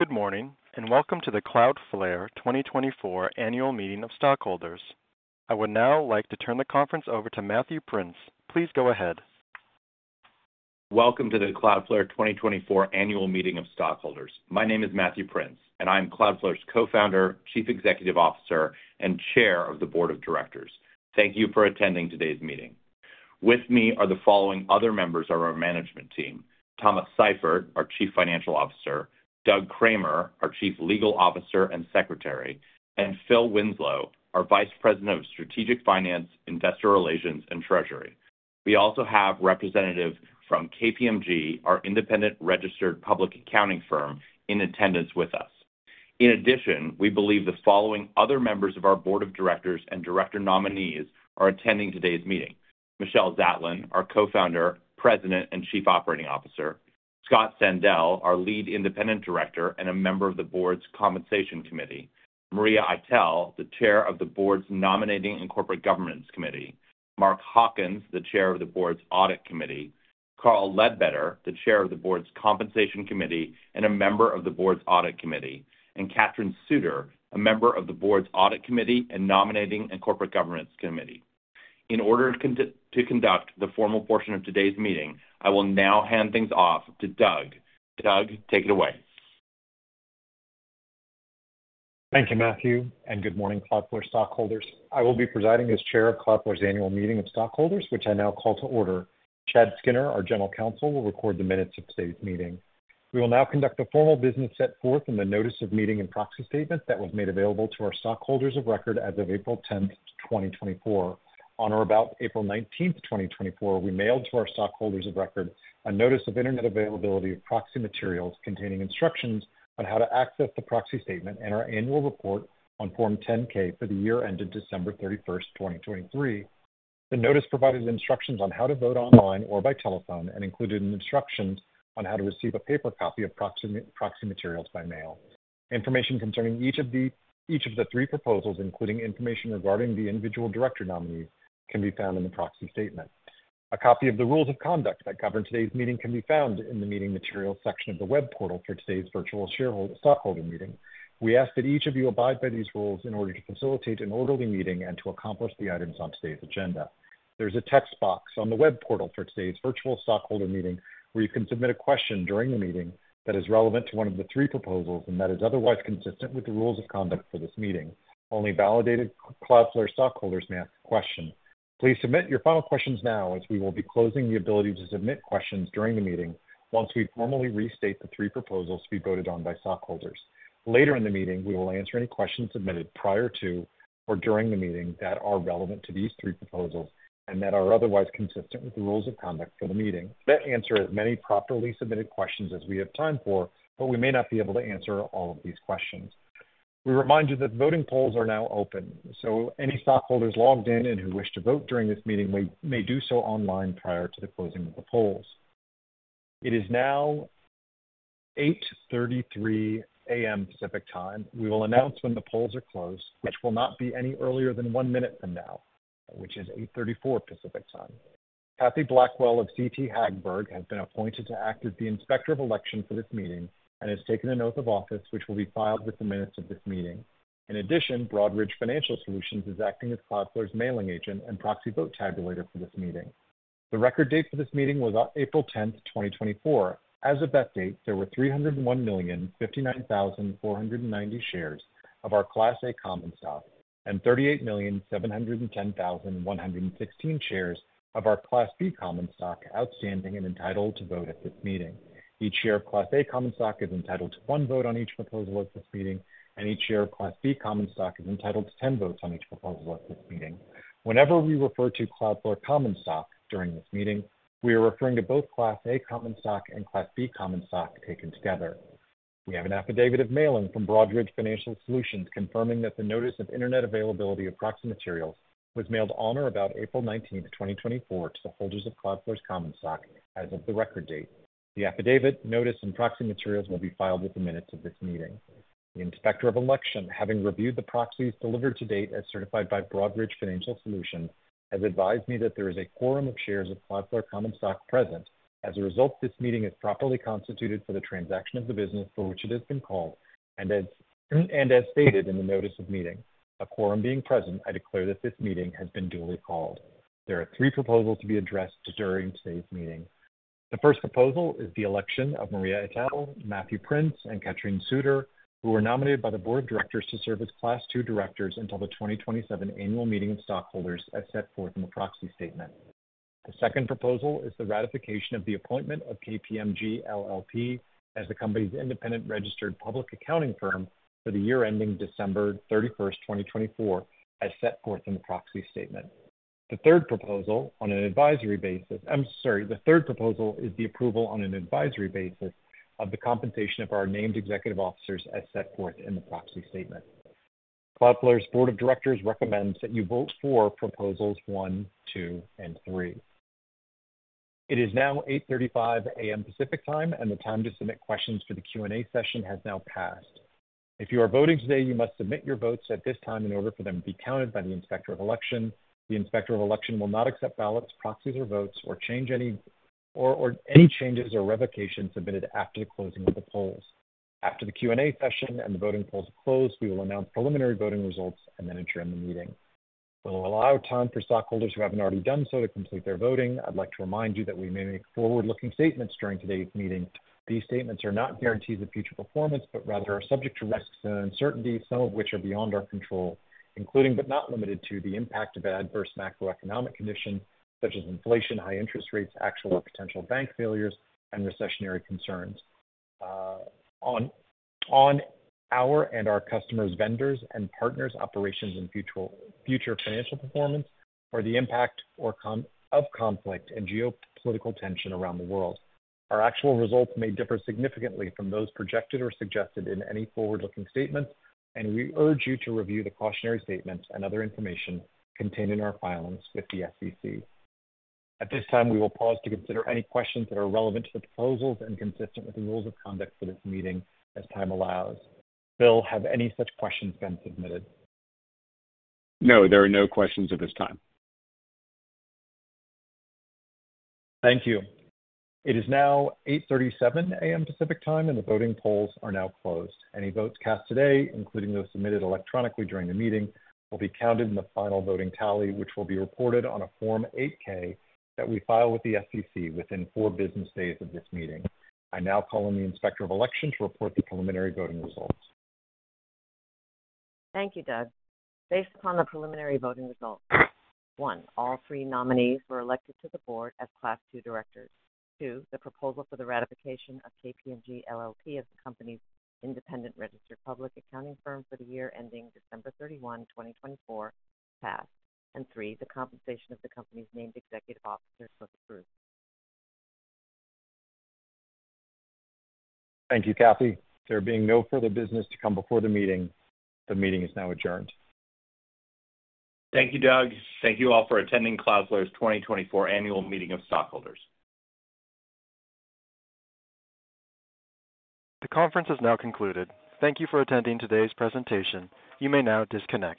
Good morning, and welcome to the Cloudflare 2024 Annual Meeting of Stockholders. I would now like to turn the conference over to Matthew Prince. Please go ahead. Welcome to the Cloudflare 2024 Annual Meeting of Stockholders. My name is Matthew Prince, and I'm Cloudflare's co-founder, Chief Executive Officer, and Chair of the Board of Directors. Thank you for attending today's meeting. With me are the following other members of our management team: Thomas Seifert, our Chief Financial Officer, Doug Kramer, our Chief Legal Officer and Secretary, and Phil Winslow, our Vice President of Strategic Finance, Investor Relations, and Treasury. We also have representatives from KPMG, our independent registered public accounting firm, in attendance with us. In addition, we believe the following other members of our Board of Directors and director nominees are attending today's meeting. Michelle Zatlyn, our Co-founder, President, and Chief Operating Officer, Scott Sandell, our Lead Independent Director and a member of the board's Compensation Committee, Maria Eitel, the Chair of the board's Nominating and Corporate Governance Committee, Mark Hawkins, the Chair of the board's Audit Committee, Carl Ledbetter, the Chair of the board's Compensation Committee and a member of the board's Audit Committee, and Katrin Suder, a member of the board's Audit Committee and Nominating and Corporate Governance Committee. In order to conduct the formal portion of today's meeting, I will now hand things off to Doug. Doug, take it away. Thank you, Matthew, and good morning, Cloudflare stockholders. I will be presiding as chair of Cloudflare's Annual Meeting of Stockholders, which I now call to order. Chad Skinner, our General Counsel, will record the minutes of today's meeting. We will now conduct the formal business set forth in the notice of meeting and proxy statement that was made available to our stockholders of record as of April 10, 2024. On or about April 19, 2024, we mailed to our stockholders of record a Notice of Internet Availability of Proxy Materials containing instructions on how to access the proxy statement and our annual report on Form 10-K for the year ended December 31, 2023. The notice provided instructions on how to vote online or by telephone and included instructions on how to receive a paper copy of proxy, proxy materials by mail. Information concerning each of the... Each of the three proposals, including information regarding the individual director nominees, can be found in the Proxy Statement. A copy of the rules of conduct that govern today's meeting can be found in the Meeting Materials section of the web portal for today's virtual stockholder meeting. We ask that each of you abide by these rules in order to facilitate an orderly meeting and to accomplish the items on today's agenda. There's a text box on the web portal for today's virtual stockholder meeting, where you can submit a question during the meeting that is relevant to one of the three proposals and that is otherwise consistent with the rules of conduct for this meeting. Only validated Cloudflare stockholders may ask questions. Please submit your final questions now, as we will be closing the ability to submit questions during the meeting once we formally restate the three proposals to be voted on by stockholders. Later in the meeting, we will answer any questions submitted prior to or during the meeting that are relevant to these three proposals and that are otherwise consistent with the rules of conduct for the meeting. We'll answer as many properly submitted questions as we have time for, but we may not be able to answer all of these questions. We remind you that voting polls are now open, so any stockholders logged in and who wish to vote during this meeting may, may do so online prior to the closing of the polls. It is now 8:33 a.m. Pacific Time. We will announce when the polls are closed, which will not be any earlier than 1 minute from now, which is 8:34 Pacific Time. Kathy Blackwell of CT Hagberg has been appointed to act as the Inspector of Election for this meeting and has taken an oath of office, which will be filed with the minutes of this meeting. In addition, Broadridge Financial Solutions is acting as Cloudflare's mailing agent and proxy vote tabulator for this meeting. The record date for this meeting was on April tenth, 2024. As of that date, there were 301,059,490 shares of our Class A common stock and 38,710,116 shares of our Class B common stock outstanding and entitled to vote at this meeting. Each share of Class A Common Stock is entitled to one vote on each proposal at this meeting, and each share of Class B Common Stock is entitled to 10 votes on each proposal at this meeting. Whenever we refer to Cloudflare common stock during this meeting, we are referring to both Class A Common Stock and Class B Common Stock taken together. We have an affidavit of mailing from Broadridge Financial Solutions confirming that the Notice of Internet Availability of Proxy Materials was mailed on or about April 19, 2024, to the holders of Cloudflare's common stock as of the Record Date. The affidavit, notice, and proxy materials will be filed with the minutes of this meeting. The Inspector of Election, having reviewed the proxies delivered to date as certified by Broadridge Financial Solutions, has advised me that there is a quorum of shares of Cloudflare common stock present. As a result, this meeting is properly constituted for the transaction of the business for which it has been called, and as stated in the notice of meeting. A quorum being present, I declare that this meeting has been duly called. There are three proposals to be addressed during today's meeting. The first proposal is the election of Maria Eitel, Matthew Prince, and Katrin Suder, who were nominated by the board of directors to serve as Class II directors until the 2027 Annual Meeting of Stockholders, as set forth in the proxy statement. The second proposal is the ratification of the appointment of KPMG LLP as the company's independent registered public accounting firm for the year ending December 31, 2024, as set forth in the proxy statement. The third proposal on an advisory basis... I'm sorry, the third proposal is the approval on an advisory basis of the compensation of our named executive officers as set forth in the proxy statement. Cloudflare's board of directors recommends that you vote for Proposals one, two, and three. It is now 8:35 a.m. Pacific Time, and the time to submit questions for the Q&A session has now passed.... If you are voting today, you must submit your votes at this time in order for them to be counted by the Inspector of Election. The Inspector of Election will not accept ballots, proxies, or votes, or change any changes or revocations submitted after the closing of the polls. After the Q&A session and the voting polls are closed, we will announce preliminary voting results and then adjourn the meeting. We'll allow time for stockholders who haven't already done so to complete their voting. I'd like to remind you that we may make forward-looking statements during today's meeting. These statements are not guarantees of future performance, but rather are subject to risks and uncertainties, some of which are beyond our control, including but not limited to, the impact of adverse macroeconomic conditions such as inflation, high interest rates, actual or potential bank failures, and recessionary concerns. On our and our customers, vendors, and partners, operations and future financial performance, or the impact of conflict and geopolitical tension around the world. Our actual results may differ significantly from those projected or suggested in any forward-looking statements, and we urge you to review the cautionary statements and other information contained in our filings with the SEC. At this time, we will pause to consider any questions that are relevant to the proposals and consistent with the rules of conduct for this meeting, as time allows. Phil, have any such questions been submitted? No, there are no questions at this time. Thank you. It is now 8:37 a.m. Pacific Time, and the voting polls are now closed. Any votes cast today, including those submitted electronically during the meeting, will be counted in the final voting tally, which will be reported on a Form 8-K that we file with the SEC within four business days of this meeting. I now call on the Inspector of Election to report the preliminary voting results. Thank you, Doug. Based upon the preliminary voting results, 1, all three nominees were elected to the board as Class II directors. 2, the proposal for the ratification of KPMG LLP as the company's independent registered public accounting firm for the year ending December 31, 2024, passed. And 3, the compensation of the company's named executive officers was approved. Thank you, Kathy. There being no further business to come before the meeting, the meeting is now adjourned. Thank you, Doug. Thank you all for attending Cloudflare's 2024 Annual Meeting of Stockholders. The conference is now concluded. Thank you for attending today's presentation. You may now disconnect.